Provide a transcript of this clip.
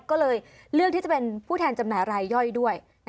ก็เลยเลือกที่จะเป็นผู้แทนจำหน่ายรายย่อยด้วย